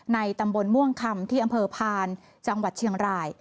ตำบลม่วงคำที่อำเภอพานจังหวัดเชียงราย